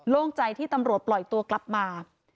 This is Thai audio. ใจที่ตำรวจปล่อยตัวกลับมา